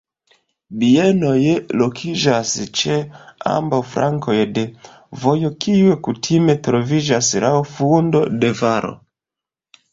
Bienoj lokiĝas ĉe ambaŭ flankoj de vojo, kiu kutime troviĝas laŭ fundo de valo.